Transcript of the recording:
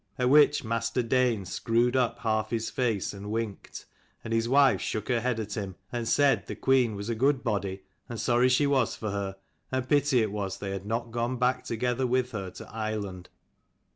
At which Master Dane screwed up half his face and winked, and his wife shook her head at him, and said the queen was a good body, and sorry she was for her, and pity it was they had not gone back together with her to Ireland.